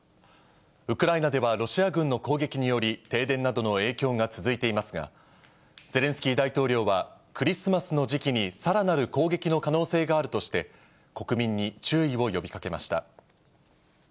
ウクライナではロシア軍の攻撃により、停電などの影響が続いていますが、ゼレンスキー大統領は、クリスマスの時期にさらなる攻撃の可能性があるとして、国民に注意を呼びかけました。